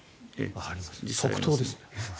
即答ですね。